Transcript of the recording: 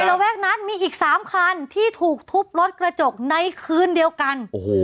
ระแวกนั้นมีอีก๓คันที่ถูกทุบรถกระจกในคืนเดียวกัน